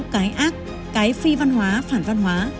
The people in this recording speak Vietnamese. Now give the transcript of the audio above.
cái ác cái phi văn hóa phản văn hóa